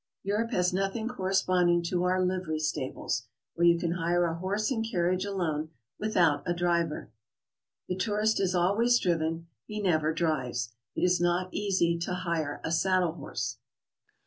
Europe has nothing corresponding to our livery stables, where you can hire a horse and carriage alone, without a driver. The tourist is always driven; he never drives. It is not easy to hire a saddle horse.